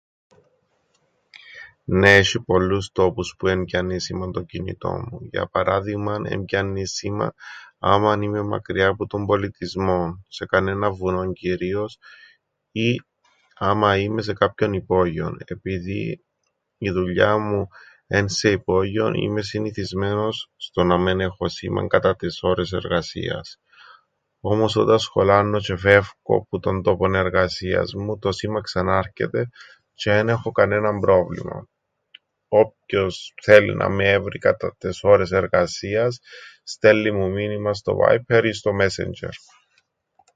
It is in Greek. Νναι, έσ̆ει πολλούς τόπους που εν πιάννει σήμαν το κινητόν μου. Για παράδειγμαν, εν πιάννει σήμαν άμαν είμαι μακριά που τον πολιτισμόν, σε κανέναν βουνόν κυρίως, ή, άμα είμαι σε κάποιον υπόγειον. Επειδή η δουλειά μου εν' σε υπόγειον, είμαι συνηθισμένος στο να μεν έχω σήμαν κατά τες ώρες εργασίας. Όμως όταν σχολάννω τζ̆αι φεύκω που τον τόπον εργασίας μου, το σήμαν ξανάρκεται τζ̆αι εν έχω κανέναν πρόβλημαν. Όποιος θέλει να με έβρει κατά τες ώρες εργασίας στέλλει μου μήνυμαν στο βάιππερ ή στο μέσεντζ̆ερ.